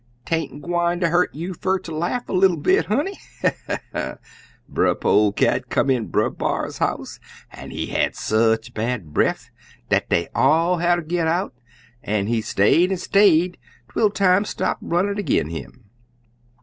"'Taint gwine ter hurt you fer ter laugh a little bit, honey. Brer Polecat come in Brer B'ar's house, an' he had sech a bad breff dat dey all hatter git out an' he stayed an' stayed twel time stopped runnin' ag'in' him."